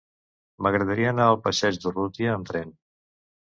M'agradaria anar al passeig d'Urrutia amb tren.